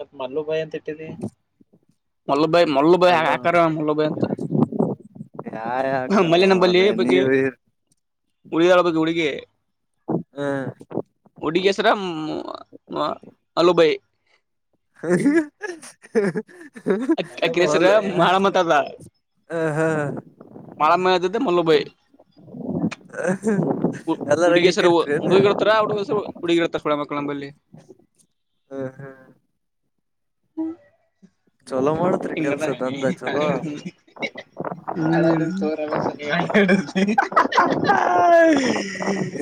ಬತ್ ಮಲು ಭೈ ಮಲ್ಲಬಾಯಿ ಮಲ್ಲುಭಾಯಿ ಅಲ್ಲ ಹಾಕ ಮಲ್ಲಬಾಯಿ ಅಂತ ಯಾ ಯಾಕರ ಮಲ್ಲೆ ನಂಬಲ್ಲಿಿ ಮಾರಾಯ ಬಗೆ ನೀವು ಉಳಿದಳ ಬ ಹುಡುಗ ಹ್ಮ ಹುಡುಗಿ ಹೆಸರ ನ ಅಲ ಬೈ [unintelligible] ಅಕಿನ ಬ ಹೆಸರ ಮಾಳಮ್ಮ ಅಂತ ಹ ಹ ಮಾರ ಮೇ ಜತೆ ಮಲಬಯ ಹ ಎಲ್ಲಾರಾಗಿ ಹುಡುಗಸರ ಕರಿತ್ರಿನ್ ಹುಡುಗಿ ಹ ಇರ್ತಾರ ಹುಡುಗ ಹುಗಿ ಇರ್ತ್ತಾರ ಹಳ ಮಕ್ಕಳಂಬಲ್ಲಿ ಹ್ಮ ಹಾ ಹ್ಮ್ ಚಲೋ ಮಾಡತ್ರಿ ಇನ್ನ ಕೆಲ್ಸ ಬಾನ ದಂದ ಅದ ಚಲೋ [unintelligible] [unintelligible]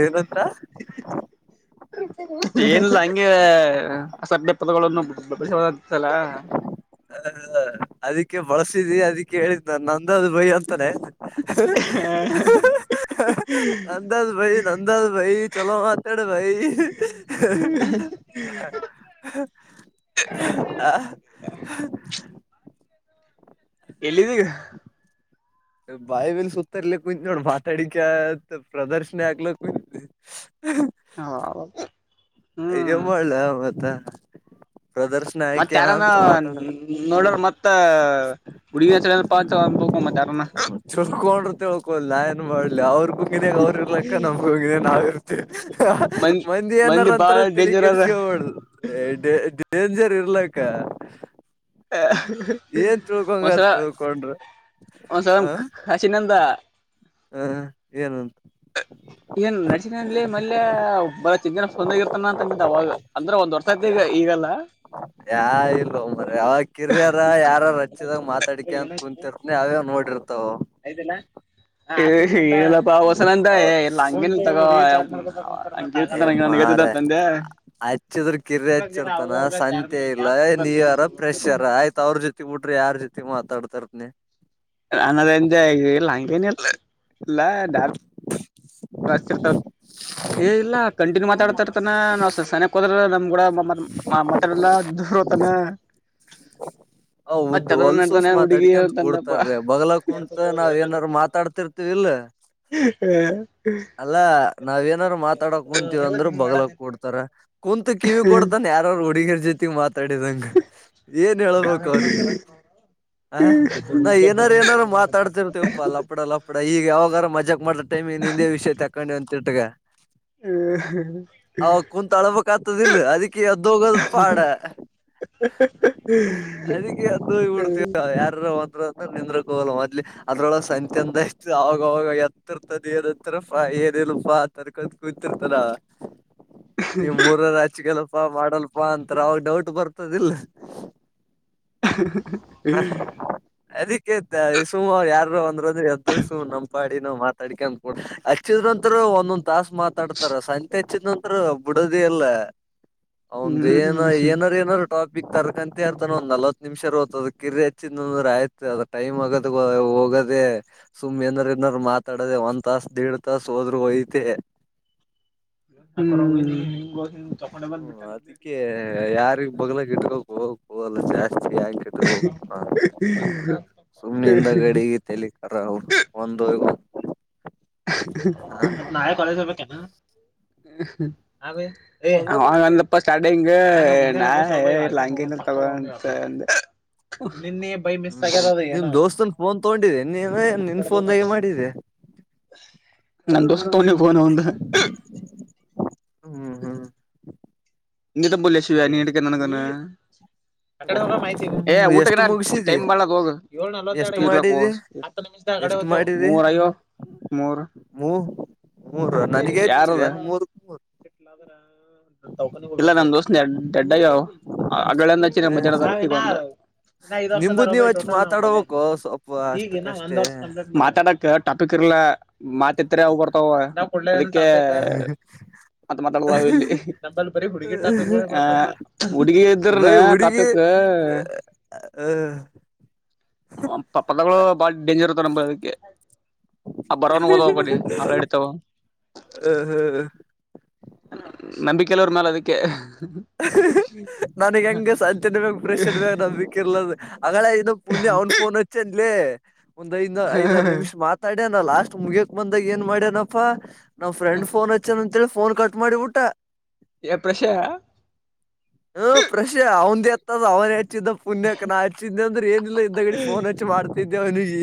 ಏನಂತ ಏನಿಲ್ಲ ಹಂಗೆ ಅದೇ ಸತ್ಯ ಪದಗಳನ್ನು ಬಸಲ್ಲ ಹ ಅದಿಕ್ಕೆ ಬಳ್ಸಿದಿ ಅದಿಕ್ಕೆ ಹೇಳಿದ್ ನನ್ ನ ನಂದಾಜ್ ಭೈಿ ಅಂತಾನೆ ನಂದಾಜ ಭೈಿ ನಂದಾಜ ಬೈ ಚಲೋ ಆತಡ ಭೈ ಹ ಎಲ್ಲಿದ್ದೀಯಾ ಬೈಬಲ್ ಸ ಉತರಲ್ಲ ಕುಂಚೋಡ ಮಾತಾಡಕ್ಕೆತ್ ಪ್ರದರ್ಶನ ಆಗ್ಲ ಬೇಕು ಹ ಈಗೇನು ಮಾಡ್ಲ ಮತ್ತೆ ಮತ್ತ ಯಾರಾನ ಮಾತಾಡ ನೋಡ್ರ ಮತ್ತ [unintelligible] ತಾರೋಣ ಲಯನ್ ಮಾಡಲಿ ಅವ್ರ ಕುಂಗಿನಿಯಾಗ ಅವ್ರರು ಇರ್ಲಕ್ಕ ನಮ್ಗೆ ಕುಂಗಿನ ನಾವ ಇರ್ತಿವಿ ಮಂದಿ ಏನಾರಂತ ಬಾಳ ರ ತಲಿ ಡೇಂಜರ್ ಅದ ಕೆಡ್ಸ್ಕೊಬು ಡೇಂಜರ್ ಇರ್ಲಕ್ಕ ಹೇ ಹ ಏನ್ [unintelligible] ತಿಳ್ಕೊಂಗಾರ ತಿಳ್ಕೊಂಡ್ರ ಒಂದ್ಸ ಆ ಹಸಿನಂದ ಹ ಏನಂತ ಹ [unintelligible] ಏನ್ ನಡಸಿನ ಅಲ್ಲಿ ಮಲ್ಲೆ ಒಬ್ಬ ಚಿನ್ ಜನ ಸಂದಗ ಇರ್ತಾನ ಅಂತಂದಿದ್ದ ಅವಾಗ ಅಂದ್ರೆ ಒಂದ್ ವರ್ಷತಿ ಈಗ ಎಲ್ಲ ಯಾ ಇಲ್ಲ್ರ ಯಾವಾಗ ಕಿರಿಯರ ಯಾರ ರಚ್ಚಿದಾಗ ಮಾತಾಡಿಕೆ ಅಂತ ಕುಂತತಿರ್ತನಿ ಅವೇ ನೋಡಿ [unintelligible] ಆಯ್ತಿಲ್ಲ ಇಲ್ಲಪ್ಪ ಹೊಸನಂತ ಎಲ್ಲ ಹಂಗಗೆನ್ ತಗೋ ಹಂಗ ಕೇಳ್ತಂ ಏ ಮಾರ ನನ್ಗೆದ ಅಂದೆ ಹಚ್ಚಿದ್ರ ಕಿರಿ ಹಚ್ಚಿರ್ತಾನ ಚಾರ್ಜ್ ಸಂತೆ ಇಲ್ಲ ಗ್ಯಾಪ್ ನೀವರ ಕೊಡ್ಬೇಕ ಪ್ರೆಷರ್ ಆಯ್ತ ಅವ್ರ ಜೊತೆ ಬಿಟ್ರಿ ಯಾರ್ ಜೊತಿ ಮಾತಾಡ್ತರ್ತನಿ ನನ್ನ ಎಂದಲ್ಲ ಅಂಗನ ಇಲ್ಲ ಇಲ್ಲ ಡ ಜಾಸ್ತಿ ಇರ್ತವ ಏ ಇಲ್ಲ ಕಂಟಿನ್ಯೂ ಮಾತಾಡ್ತಾ ಇರ್ತಾನ ನಾ ಸನಯಕ್ ಹೋದ್ರ ನಮ ಮ ಮತ್ತನ ಎಲ್ಲಾ ದೂರವ ತಾನೆ ಮತ್ತೆ ಹೌದು ಹೊಲ್ಸೂಸ್ ನಡ್ತಾನೆ ಹುಡುಗಿ ಮಾತಾಡ್ಕಂತ ತಂದಪ್ಪ ಕೂಡ್ತಾರಲಿ ಬಗ್ಲ ಕುಂತ ನಾವ್ ಏನಾರು ಮಾತಾಡ್ತಿರ್ತಿವಿ ಇಲ್ಲ ಹ್ಮ ಅಲ್ಲಾ ನಾವ್ ಏನಾದ್ರು ಮಾತಾಡಕ್ ಕುಂತೀವ ಅಂದ್ರರು ಹಿಂಗ್ ಬಗ್ಲಕ್ ಮಾಡದೈತ್ ಕೊಡ್ತಾರ ಕುಂತು ಕಿವಿ ಕೊಡ್ತ ಮನ್ ಯಾರರು ಹುಡುಗರ ಜೊತೆಗೆ ಮಾತಾಡಿದಂಗ ಏನ್ ಹೇಳ್ಬೇಕು ಅವ್ರಿಗೆ ಹ ನಾ ಏನಾರು ಏನಾರರು ಮಾತಾಡ್ತಿರ್ತಿವಪ್ಪ ಲಪಡ ಲಪಡ ಈಗ ಯಾವ ಮಜಕ್ ಮಾಡ ಟೈಮ ಇ ನಿಂದೇ ವಿಷಯ ತಕೊಂಡಿ ಅಂತ ಇಟ್ಟಗ ಹ್ಮ ಹ ತ್ತದಿಲ್ಲ ಅದಕ್ಕೆ ಎದ್ದ ಹೋಗೋದು ಪಾಡ ಅದಕ್ಕೆ ಅ ತೋಗಬಿಡ್ತೀವಿ ಯಾರ ಒ ನಿಂದ್ರ ಕೋಲ ಮದಲಿ ಅದ್ರೊಳ ಸಂಂತೆಂದ ಆಾಗಾಗ ಎತ್ತಿರ್ತದತ್ತ ಯ ಬೇರೆಲ್ಲ ಪಾ ತರ್ಕೊ ಕೂತಿರ್ತದ ನಿಮ್ ರ ಆಚಕಲ್ಪಾ ಮಾಡಲ್ಪಾ ಅಂತರ ಅವಾಗ ಡೌಟ್ ಬರ್ತ [unintelligible] ಹ್ಮ್ ಸುಮ ಯಾರ ಅಂದ್ರದ ಎದ್ದು ಸು ನಮ್ಮ್ ನ ಮಾತಾಡ್ಕ ಅನ್ಕ ಹಚ್ಚಿದ್ ನಂತತ್ರ ಒಂದೊಂದ್ ತಾಸ ಮಾತಾಡ್ತಾರ ಸಂತೆ ಹಚ್ಚನ್ಂತ್ರ ಬಿಡೋದಿ ಎಲ್ಲ ಹ್ಮ್ ಅವಂದ ಏನ ಏನಾರ ಏನಾರ ಟಾಪಿಕ್ ತರ್ಕಂತ ಹರ್ತಾನ ಒಂದ ನಲ್ವತ್ತು ನಿಮಿಷ ರುತದ ಕಿರಿ ಹಚ್ಚಿದ ಆಯ್ತ ಅದು ಟೈಮ್ಗೋದ ಹೋಗದೆ ಸುಮ್ ಏನಾರ ಏನಾದ್ರು ಮಾತಾಡದೆೇ ಒಂದ್ ತಾಸ ದೇಡ್ ತಾಸ ಹೋದ್ರು ಯತೆ ಹ್ಮ್ ಹ್ಮ ಅದಕ್ಕೆ ಯಾರಿಗ್ ಬಗ್ಲಕ ಇಟ್ಕಕ್ ಹೋಗ ಅಲ್ಲ ಜಾ ಹಾಕಿಟ್ಟು ಹ ಸುಮ್ಮಿಯಿಂದ ಗಡಿಗೆ ತಲಿ ಕರ ಅವರು ಒಂದು ನಾವೇ ಕಾಲೇಜ್ ಹರ್ಬೇಕೇನಾ ಂದಪ್ಪ ಸ್ಟಾರ್ಟಿಂಗ ಲಾಂಗನ ತಗೊಂತ ಅಂದ ನಿನ್ನೆ ಬೈ ಮಿಸ್ ಹ್ಮ್ ಆಗ್ಯಾರ ಹ್ಮ್ ಅದ ನಿಮ್ ಏನೋ ದೋಸ್ತನ್ ಫೋನ್ ತಗೊಂಡಿದೆ ನೀನ ಏನೋ ಅ ಮಿಸ್ ನಿನ್ ಕೊಡಬೋದ ಫೋನ್ದಾಗೆ ಮಾಡಿದೆ ನ ದೋಷ ತೋನ್ನೆಫನ ಒಂದು ಹ್ಮ್ ಹ್ಮ್ ನೀ ತ ಬಲ ಶಿವಿವಾಯ ನೀ ಇ ಕೆಾನ ಆಡೆ ಹೋಗ ಮಾಹಿತಿ ಹ್ಮ್ ಎಷ್ಟು ಊಟಗ ಮುಗಸಿದಿ ಟೈಮ್ ಬರ್ಲಕ್ ಹೋಗ ಎಷ್ಟು ಇ ಮಾಡಿದಿ ಎಷ್ಟು ಕಡೆತ್ತು ಮಾಡಿದಿ ಮೂರ ಅಯ್ಯೋ ಮೂರು ಮೂ ಮೂರು ನನಗೆ ಹೆಚ್ಚಿದೆ ಏನು ಮೂರುಕ್ ಮೂರು ಹಂತ ಇಲ್ಲ ನನ್ ದೋಸ್ಡ್ ದಡ್ಡಯ್ಯ ಆಗಳ ಮನ ಇನ್ನ ಐ್ ವರ್ಷದ ನಿಂಬುದ್ ನೀವ್ ರೋಬಿ ಹಚ್ಚಿ ಟೋಟಲ್ ನಾವು ಕಲ್ಯ ಮಾತಾಡ್ಬೇಕು ಸ್ವಲ್ಪ ಈಗ ಒಂದ್ ಅಷ್ಟಕ್ಕಷ್ಟೇ ವರ್ ಮಾತಾಡಕ್ ಟಾಪಿಕ್ ಲ್ಲ ಮತ್ತತ್ರರೆ ಯವು ಬರ್ತಾವ ಮತ್ತ ಮಾತಾಡಲ ಇಲ್ಲಿ ಬರೀ ಹುಡುಗಿ ಟಾಪಿಕ್ ಹುಡ್ಗಿ ಇದ್ರನ ಟಾಪಿಕ್ ಹ್ಮ ಪ ಪದಗಳು ಬಾಳ ಡೇಂಜರ್ ಇತ್ತ ನ ಅದಕ್ಕೆ ಆ ಬರನುಗದಾವ ಕಡಿ ಹಳ ಇಡ್ತಾವ ನಂಬಿಕೆಲ್ಲೋ್ರ ಮೇಾಲ ಅದಕ್ಕೆ ನನಗ್ ಹೆಂಗ ಸಂಚನ್ ಬಕ್ ಪ್ರೆಷನ್ ಬ ನಂಬ ಬಕ್ಿರ್ಲದ ಅಳ ಇ ಪುಣ ಅವ್ನ್ ಫೋನ್ ಹಚ್ಚಿ ಅನ್ಲಿ ಒಂದ್ ಐದ ಐದಾರ ನಿಮಿಷ ಮಾತಾಡ್ಯನ ಲಾಸ್ಟ್ ಮುಗಿಯಕ್ ಬಂದಾಗ ಏನ್ ಮಾಡ್ಯನಪ್ಪಾ ನಾವ್ ಫ್ರೆಂಡ್ ಫೋನ್ ಹಚ್ಚೇನ ಅಂತೇಳಿ ಫೋನ್ ಕಟ್ ಮಾಡಿಬಿಟ್ಟ ಎ ಪ್ರಷಯ ಹ್ಮ ಪ್ರಶೆ ಅವಂದ ಎತ್ತದ ಅವನ ಎತ್ತ ಹಚ್ಚಿದ್ದ ಪುಣ್ಯಕನ ಹಚ್ಚಿದ್ದೆ ಅಂದ್ರೆ ಏನಿಲ್ಲ ಇದ್ದ ಗಡಿ ಫೋನ್ ಹಚ್ಚು ಮಾಡ್ತಿದ್ದೆ ಅವ್ನಿಗೆ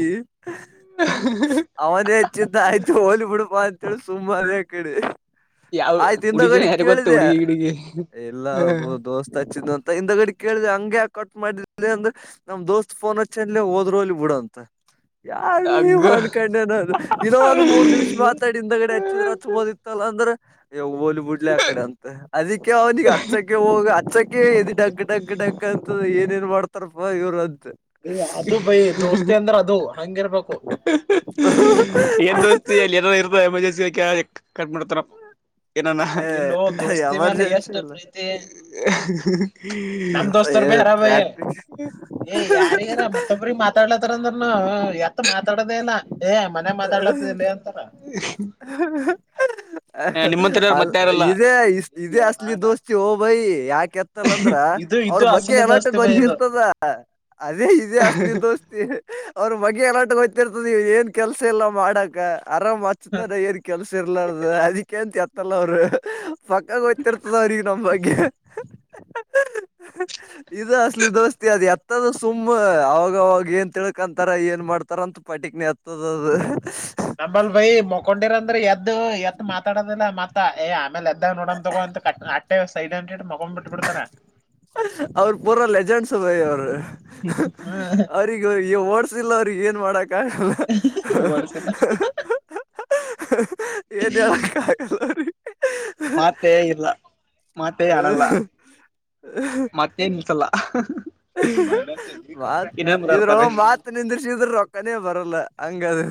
ಅವನೇ ಹೆಚ್ಚಂತ ಆಯ್ತು ಹೋಗ್ಲಿ ಬಿುಡ್ಬ ಅಂತೇಳಿ ಸುಮ್ಮನೆ ಕಡೆ ಯಾವ ಆಯ್ತ ಹುಡುಗಿ ಜನ ಇಿಂದಗಡೆ ಯಾರಿಗ್ ಗೊತ್ತು ಕೇಳಿದೆ ಹುಡುಗಿ ಗಿಡುಗಿ ಎಲ್ಲ ಹ ದೋಸ್ತ್ ಹಚ್ಚಿದ್ದ ಅಂತ ಹಿಂದ ಗಡೆಡಿ ಕೇಳಿದೆ ಹಂಗೆ ಕಟ್ ಮಾಡಿದ ಅಂದ್ರೆ ನಮ್ ದೋಸ್ತ್ ಫೋನ್ ಹಚ್ಚ ಅನ್ ಹೋದ್ರು ಅಲ್ಲಿ ಬಿಡ ಅಂತ ಯಾರ್ಲಿ ಹಗ್ಗ ಮನ್ ಕಣ್ಣ ಅನದು ಇನ್ನೋ ಒಂದಂದು ಮೂರ್ ನಿಮಿಷ ಮಾತಾಡಿ ಹಿಂದಗಡೆ ಹಚ್ಚಿದ್ರ ಹತ್ ಹೋದಿತ್ತಲ್ಲ ಅಂದ್ರ ಲ್ ಬಿಡ್ಲೆ ಆ ಕಡೆ ಅಂತ ಅದಕ್ಕೆ ಅವನಿಗೆ ಅ ಹೋಗ ಹಚ್ಚಕ್ಕೆ ಎದೆ ಡಗ್ ಡಗ್ ಡಗ್ ಅಂತ ಏನ ಏನ್ ಮಾಡ್ತಾರಪ್ಪಾ ಇವ್ರದ ಅದು ಭೈ ದೋಸ್ತಿ ಅಂದ್ರ ಅದು ಹಂಗಿರ್ಬೇಕು ಏನ್ ದೋಸ್ತಿ ಅಲ್ಲಿ ಎಾರ ಇರ್ತೋ ಎಮರ್ಜೆನ್ಸಿಕ ಕಟ್ಬಿಡ್ತಾರಪ್ಪ ಏನಾನ ಎಲ್ಲೋ ಏ ದೋಸ್ತಿ ಮೇಾಲ ಎಮರ್ಜೆನ್ಸಿ ಎಷ್ಟ ಅಲ್ಲ ಪ್ರೀತಿ ನ ಮ್ದೋಸ್ತಾರ ಏ ಪ್ರಾಕ್ಟಿಸ್ ಯಾರಿಗಾರ ಮತ್ತೊಬ್ರ ಮಾತಾಡ್ಲತಾರಂದ್ರನು ಎತ್ ಮಾತಾಡದೇ ಇಲ್ಲ ಏ ಮನೆ ಮಾತಾಡ್ಲತ್ತಲ್ಲಿ ಅಂತಾರ ನಿಮ್ಮಂತರ ಅ ಮತ್ತೆ ಯಾರಲ್ಲ ಇದೆೇ ಇದೆೇ ಇಲ್ಲೋ ಅಲಿ ನಾನಾ ದೋಸ್ತಿ ಭೈ ಯ ಕೆತ್ತಲ್ಲ ಅಂದ್ರ ಇದು ಅವ್ರ ಇದು ಬಗ್ಗೆ ಅಸಲಿ ಎಲಟು ದೋಸ್ತಿ ಬೈ ಇದು ಗೊತ್ತಿರ್ತದ ಅದೇ ಇದೇ ಅಸ್ಲಿ ದೋಸ್ತಿ ಅವ್ರ ಮಗಿ ಅಲಾಟ ಹಯ್ತಿರ್ತದೆ ಏನ್ ಕೆಲ್ಸ ಎಲ್ಲ ಮಾಡಕ ಅರಾಮ್ ಹಚ್ಚತಾರ ದ ಕೆಲ್ಸ ಇರ್ಲಾರ್ದ ಅದಕ್ಕೆೇಂತ ಎತ್ತಲ್ಲ ಅವರು ಪಕ್ಕ ಗೊ್ತ್ತರ್ತದ್ರೀ ನಮ್ಮ ಬಗ್ಗೆ ಇದು ಅಸ್ಲಿ ದೋಸ್ತಿ ಅದು ಎತ್ತದ ಸುಮ್ ಅವಾಗ ಅವಾಗ ಏನ್ ತಿಳ್ಕೊಂತಾರ ಏನ್ ಮಾಡ್ತಾರಂತ ಪಟಕ್ನ ಹತದ ಅದು ನಂಬಲ್ ಭೈ ಮಕೊಂಡಿರಂದ್ರೆ ಎದ್ದ್ ಎತ್ತ ಮಾತಾಡೋದಿಲ್ಲ ಮತ್ತಏ ಆಮೇಲೆ ಎದ್ದಾಗ ನೋಡಮ ತಗೋ ಆಟ್ಟೆ ಸೈಡ್ ಅಂತ ಮಗೊಂಡ್ ಬಿಟ್ಟಟ್ಬ ಬಿಡ್ತಾರ ಅವ್ರ ಪುರ ಲೆಜೆಂಡ್ಸ್ ಬ ಅವರು ಹ್ಮ್ ಅವ್ರಗ ಈ ವಡ್ಸಿಲ್ಲ ಅವ್ರಿಗೆ ಏನ್ ಮಾಡಕ್ ಆಲ್ಲ ಒಡ್ಸ ಏನಳ ಸರಿ ಮಾತೇ ಇಲ್ಲ ಮತ್ತೆ ಆಡಲ್ಲ ಅವ್ರಿಗೆ ಮತ್ತೆ ನಿಲ್ಸಲ್ಲ ಮತ್ ಇನ್ನೇನ್ ಇದ್ರ ಮಾತಾಡ್ತಾರೆ ಮಾತ್ ನಿಂದಿರ್ಸಿದ್ರ ರೊಕ್ಕನೇ ಬರಲ್ಲ ಹಂಗದು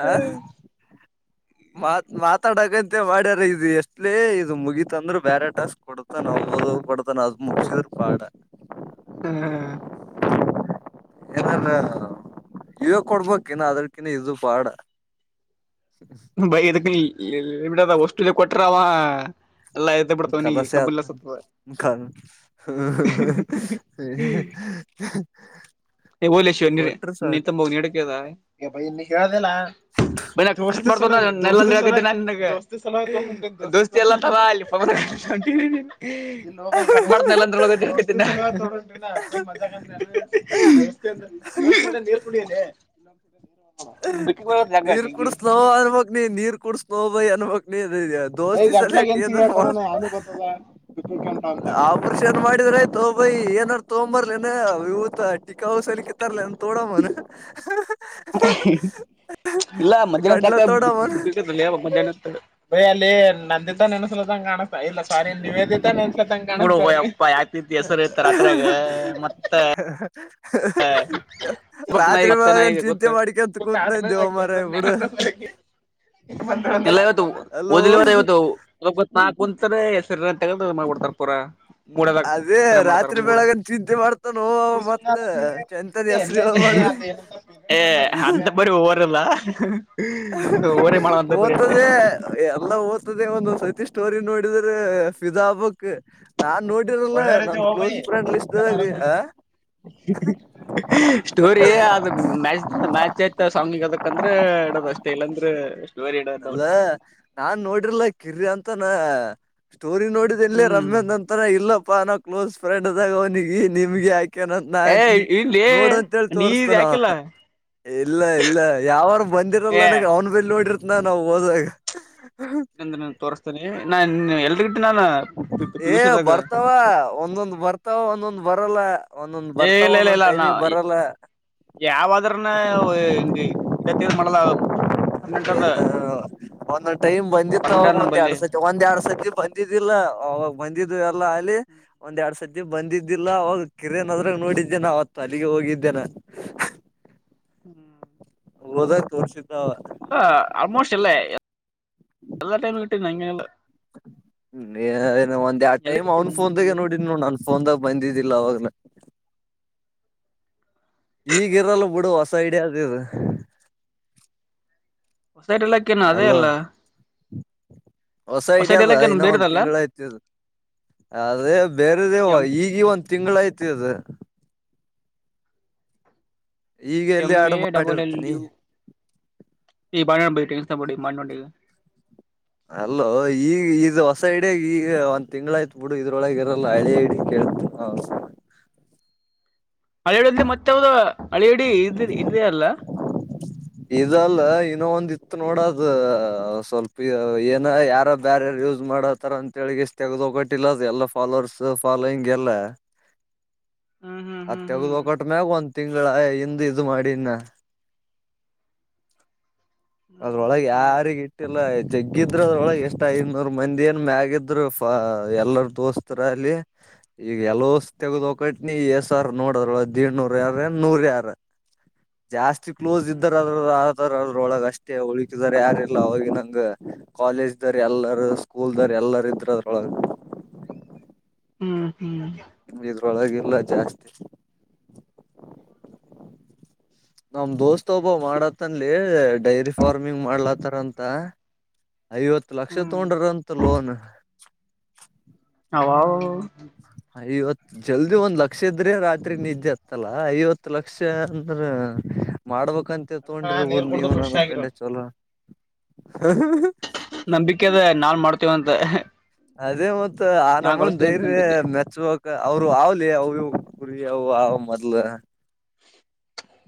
ಹ ಮಾತ್ ಮಾತಾಡಕಂತೆ ಮಾಡ್ಯಾರ ಇದು ಎಷ್ಟಲೇ ಇ ಮುಗೀತಂದ್ರು ಬೇರೆ ಟಾಸ್ಕ್ ಕೊಡತ ನಾವು ಉದೋಗ ಪಡತನ ಮುಖ್ಯವರು ಪಾಠ ಹ್ಮ್ ಎನಲ್ಲ ಇವ ಕೊಡ್ಬೇಕನ ಅದ್ರಕಿನ್ನ ಇದು ಬಾಡ ಬೈ ಇದಕ್ಕ ನಿದ ವಷ್ಟುುದ ಕೊಟ್ರ ಎಲ್ಲ ಎ್ದ ಬಿಡ್ತಾವವೆಿಗೆ ಕಂಪನಲ್ಲ ಸ ಖ [unintelligible] ಹಲಿ ಶಿವ ಹೋಗಿಡದ [unintelligible] ನೆಲ್ಲಂದ ಹಗಿದ್ದೇ ನ ನಿನ್ಗೆ ಲ ದೋಸ್ತಿ ಎಲ್ಲ ಅ ಕಣ್ಮಾತನಲ್ಲ ಅಂದ್ರ ತಿ ್ ಮಜ ನೀರ್ ಕುಡಿಯನೆ [unintelligible] ನೀರ್ ಕೂಡ ಸ್ನೋ ಅನ್ಬಕ್ ನೀ ನೀರ್ ಕುೂಡ ಸ್ನೋ ಬೈಅನ್ಬ ನೀ ಏಯ್ ದೋಸ್ತಿ ಗಂಟ್ಲಾಗ ಸಲಕ ಏನ್ ಏಂದ ಸಿಗಿ ಹಾಕೋಣ ಯಾನು ಗೊತ್ತದ ಬಿಕ್ಕು ಕೆಂಟ ಅಂತಾನೆ ಆಪ್ರೇಷನ್ ಮಾಡಿದ್ರಯ್ತೋಬಯಿ ಏನಾರ ತಗೊಂಬರ್ಲನ ಇವತ ಟಿಕಾ ಹೋಗ ಸಲಿಕ್ಕೆ ತರ್ಲನು ತೋಡ ಪನ ಇಲ್ಲ ಮಧ್ಯಾಹ್ನ ಗಂಡ್ಲ ಯಾಕ ತೋಡಮ್ಮನ ಬಾಗ ಮಧ್ಯಾಹ್ನ ಅಂತ ಬಯ ಅಲ್ಲಿ ನಂದಿದ್ದ ನೆನ್ಸಲಂಗಾಣ ಇಲ್ಲ ಸಾರಿ ನೀವೇದತನ್ಸಂಗಪ್ಪ ಯಾತತಿ ಹೆಸರು ಇತ ರಾತ್ರಿಾಗ ಮತ್ತೆ. [inaudible] ನ ಮತ್ತ ನ ಬೆಳಗನ್ ಗೊತ್ತ ಚಿಂತೆ ಮಾಡಿಕಂತ ಕುಂತನ್ ದೇವ ಮಾರಾಯ ಬಿಡು ಎಲ್ಲ ಇವತ್ತು ಅಲೋ ಓದಲಿವರೆ ಇವತ್ತು ನಾ ಕುತ್ರ ಹೆಸಗ ಮ್ಬಿಡ್ತಾರ ಪೂರಾ ಮೂಡದ ಅದೇ ಕರೆ ಮಾಡ್ತಾರ ರಾತ್ರಿ ಮೂಡ ಬೆಳಗನ್ ಚಿಂತೆ ಮಾಡ್ತಾನೋ ಅವ ಮತ್ತ ಚಂತನ ಹೆಸರು ಹೇಳಬಾಡ್ರಿ ಏ ಅಂತ ಬರಿ ಹೂವಾರಲ್ಲ ಓದ್ತದೆ ಎಲ್ಲ ಓ್ತದೆ ಒಂದು ಸತಿ ಸ್ಟೋರಿ ನೋಡಿದ್ರೆ ಫಿದಾಬಕ್ ಒಳ್ಳರೆ ತ ಹ ಭ ಲಿಸ್ಟ್ ಆ ಸ್ಟೋರಿ ಅದ ಮ್ಯಾಚ್ದ ಮ್ಯಾಚ್ ಆಯ್ತ ಸಾಂಗ್ಗೆ ಅದಕ್ಂದ್ರೆ ಡೋದ ಅಷ್ಟೇ ಇಲ್ಲಾಂದ್ರೆ ಸ್ಟೋರಿ ಇಡೋದು ಅಲ್ಲ ಡೌಟ್ ನಾನ್ ನೋಡಿಲ ಕಿರ ಅಂತಾನ ಸ್ಟೋರಿ ನೋಡಿದ ಇಲ್ಲಿ ರಮ್ಯ ಹ್ಮ್ ನಂತರ ಇಲ್ಲಪ್ಪಾ ನಾ ಕ್ಲೋಸ್ ಫ್ರೆಂಡ್ ಅದಾಗ ಅವನಿಗೆ ನಿಮಗೆಾಕಿ ನ ನ ಏ ಇಲ್ಲಿ ನೋಡು ಅಂತೇಳಿ ತೋರ್ಸ್ತ ನೀದ್ ನಾವ ಯಾಕಿಲ್ಲ ಇಲ್ಲ ಇಲ್ಲ ಯಾವಾರ ಏ ಬಂದಿರಲ್ಲನಗೆ ಅವ್ನ ಬಿಲ್ ನೋಡಿರ್ತ್ನ ನಾವವು ಹೋದಾಗ ಇ ತೋರಿಸ್ತೇನೆ ನಾನ್ ಎಲ್ರಿಗ ಏ ಬರ್ತಾವ ಒಂದೊಂದ್ ಬರ್ತಾವ ಒಂದೊಂದ್ ಬರಲ್ಲ ಒಂದೊಂದ್ ಏ ಬರ್ತ ಅಂತ ಇಲ್ಲ ಇಲ್ಲ ಒಂದೊಂದ್ ಇಲ್ಲ ನಾ ಟೈಮಿಗೆ ಬರಲ್ಲ ಯಾವಾದ್ರನ ಹಂಗ ಇಡತ್ತ ಮಾಡಲ ಹೆಂಟದ ಒಂದೊ್ ಟೈಮ್ ಬಂದಿತ್ತು ಅವಾಗ ಒಂದ್ ಎರಡ್ ಸತಿ ಒಂದ್ ಎರಡ್ ಸತಿ ಬಂದಿದ್ದಿಲ್ಲ ಅವಾಗ ಬಂದ ಎಲ್ಲ ಅಲ್ಲಿ ಒಂದ್ ಎರಡ್ ಸತಿ ಬಂದಿದ್ದಿಲ್ಲ ಅವಾಗ ಕಿರಯನ್ದ್ರಾಗ ನೋಡಿದ್ದೆ ನಾವ್ತ್ತ ಅಲ್ಲಿಗೆ ಹೋಗಿದ್ದವಿ ಇದ್ದೇನಾ ಹ್ಮ್ ಹೋದ ತೋರ್ಸಿ ಇಲ್ಲ ಆಲ್ಮೋಸ್ಟ್ ಇಲ್ಲ ಎಲ್ಲ ಟೈಮ ಇಟ್ಟಂಗಲ್ಲ ಏ ಒಂದ್ ಆ ಎಲ್ಲ ಟೈಮ್ ಅವ್ನ್ ಇಟ್ಟೀನಿ ಫೋನ್ದಾಗೆ ನೋಡಿ ನನ್ ಫೋನ್ದಾಗ ಬಂದಿದ್ದೀನ ಲವಾಗ ಈಗಿರಲ್ಲ ಬಿಡು ಹೊಸ ಐಡಿಯ ಅದದು ಹೊಸೈಟ್ ಇಲಾಖೆನು ಅದೇ ಅಲ್ಲ ಹೊಸ ಐಡಿಯ ಹೊಸೈಟ್ ಅದ ಇಲಾಖೆನು ಇನ್ನ ಒಂದ್ ಬೇರೆದಲ್ಲ ತಿಂಗಳ ಆಯ್ತದು ಅದೇ ಬೇರೆದೇ ಎಂ ಈಗ ಒಂದ್ ತಿಂಗಳ ಐ್ತಿ ಅದು ಈಗ ಎಂ ಎಲ್ಲಿ ಎ ಆಡ್ ಮಾಡಿರ್ತೀನಿ ಡಬಲ್ಲ್ಯು ಈ ಬಣ್ಣ ಬಡಿ ಮಣ್ಣ ಅಲ್ಲೋ ಈಗ ಇದು ಹೊಸ ಇಡಿಯ ಈಗ ಒಂದ್ ತಿಂಗ್ಳಾಯ್ತು ಬಿಡು ಇದ್ರೊಳಗೆ ಇರಲ್ಲ ಹಳಿ ಹಿ ಕೇಳ. ಹೌ. [inaudible] ಹಳಿಡ ಮತ್ತೆ್ದ ಹಳಿಡಿ ಇದ ಇದ ಅಲ್ಲ. ಇದಲ್ಲ ಇನ್ನ ಒಂದ ಇತ್ತು ನೋಡದು ಸ್ವಲ್ಪ ಏನ ಯಾರ ಬ್ಯಾರಾರ ಯ ಮಾಡತಾರ ಅಂತ ಹೇಳಿಷ್ಟ ತೆಗ್ದೋಗಟ್ಟಿಲ್ಲ ಅದು ಎಲ್ಲ ಫಾಲೋವರ್ಸ್ ಫಾಲೋಯಿ್ ಎಲ್ಲ. [inaudible] ಹ್ಮ್ ಹ್ಮ್ ಅ ಹ್ಮ್ ತೆಗ್ದ ಹ್ಮ್ ಒಕಟ ಮ್ಯಾಗ ಒಂದ್ ತಿಂಗಗಳ ಹಿಂದ ಇ ಮಾಡಿನ್ನ [inaudible] ಹ್ಮ್ ಹ್ಮ್ ಅದ್ರೊಳಗೆ ಹ್ಮ್ ಯಾರಿಗ ಇಟ್ಟಿಲ್ಲ ಜಗ್ಗಿದ್ರರು ಅದ್ರೊಳಗೆ. ಇಷ್ಟ್ ಐನೂರ್ ಮಂದಿ ಏನ್ ಮ್ಯಾಗ ಇದ್ರು ಎಲ್ಲರ ದೋಸ್ತರ ಅಲ್ಲಿ ಈಗ ಎಲ್ಲೋ ತೆಗದಕಟ್ನ ಎಸಾರ್ ನೋಡ್ರ ದಡ್ನೂರ್ ಯಾರ ನೂರ್ ಯಾರ ಜಾಸ್ತಿ. ಕ್ಲೋಸ್ ಇದ್ದಾರದ್ರ ಆತರ ಅದ್ರೊಳಗ ಅಷ್ಟೇ ಉಳಕಿದಿದ್ದಾರೆ ಯಾರ ಇಲ್ಲ ಹೋಗಿ ನಂಗಗೆ ಕಾಲೇಜ್ ಇದ್ದರಿ ಎಲ್ಲಾರ ಹ್ಮ್ ಸ್ಕೂಲ್ದರ್ ಎಲ್ಲಾರ ಇದ್ರ ಅದ್ರೊಳಗೆ. ಹ್ಮ್ ಹ್ಮ್. ಇದ್ರೊಳಗಿಲ್ಲ ಜಾಸ್ತಿ. ನಮ್ ದೋಸ್ತ್ ಒಬ್ಬ ಮಾಡತ್ತನ್ಲಿ ಡೈರಿ ಫಾರ್ಮಿಂಗ್ ಮಾಡ್ಲತ್ತಾರ ಅಂತ ಐವತ್ತು ಲಕ್ಷ ಹ್ಮ್ ತಗೊಂಡ್ರಂತ ಲೋನ್ ಅವಾವು ಇತ್ತು [inaudible] [inaudible] ಜಲ್ದಿ ಒಂದ್ ಲಕ್ಷ ಇದ್ರೆ ರಾತ್ರಿ ನಜೆ ಹತ್ತಲ್ಲ ಐವತ್ತು ಲಕ್ಷ ಅಂದ್ರ ಮಾಡ್ಬಕ್ಂತ ಹಾ ನೀರ್ ತೊೊಂಡ್ರಿ ುಡ್ ಕುಡ್ದು ನೀವು ಖುಷಿ ನನ್ ಆಗಿರೋ ಕಂಡ ಚಲ ನಂಬಿಕೆ ಅದ ನಾನ್ ಮಾಡ್ತೇವಂತ ಅದೇ ಮತ್ ಆ ನಾ ನಮ್ಮನ್ ಗಳಿಸತೀವಂತ ಧೈರ್ಯ ನಂಬಿಕೆ ಮೆಚ್ಬೇಕಕ್ ಅವರು ಅವ್ಲಿ ಅವರು ಪರಿ ಆ ಮೊದ್ಲು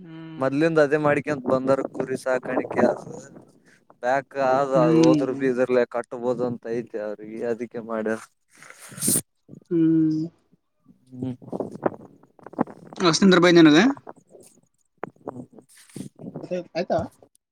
ಹ್ಮ್ ಮೊದ್ಲಿಿಂದ ಅದೇ ಮಾಡಿಕಂತ ಬಂದಾರ ಗರಿ ಸಾ ಕಾಣಿಕ ಬಕ್ ಅ ಅದು ಹೋದ್ರ ಹ್ಮ್ ಬಿ ಇದ್ರಲೆ ಕಟ್ಟ ಕಟ್ಟಬೋದು ಅಂತ ಐತೆ ಅವ್ರಿಗೆ ಅದಕ್ಕೆ ಮಾಡ್ಯ ಹ್ಮ್ ಹ್ಮ್ ಹಸನಂದರ್ ಬಾಯ ನನಗೆ ಹ್ಮ ಮತ್ತೆ ಆಯ್ತಾ